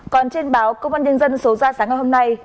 còn trên báo công an nhân dân số ra sáng ngày hôm nay